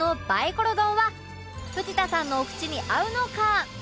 コロ丼は藤田さんのお口に合うのか？